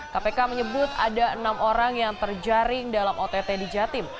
kpk menyebut ada enam orang yang terjaring dalam ott di jatim